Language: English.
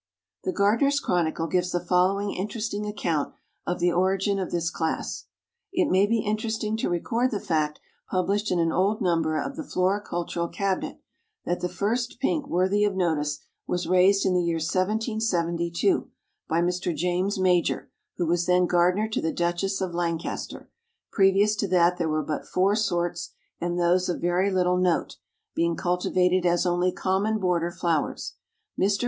The Gardener's Chronicle gives the following interesting account of the origin of this class: "It may be interesting to record the fact, published in an old number of the Floricultural Cabinet, that the first Pink worthy of notice was raised in the year 1772, by Mr. JAMES MAJOR who was then gardener to the duchess of Lancaster; previous to that there were but four sorts, and those of very little note, being cultivated as only common border flowers. Mr.